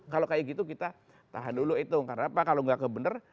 kalau kayak gitu kita tahan dulu hitung karena apa kalau gak kebener